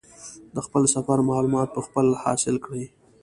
د خپل سفر معلومات په خپله حاصل کړي.